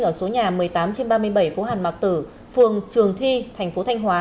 ở số nhà một mươi tám trên ba mươi bảy phố hàn mạc tử phường trường thi thành phố thanh hóa